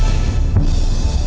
aku mau berhenti